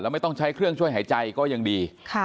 ไม่ต้องใช้เครื่องช่วยหายใจก็ยังดี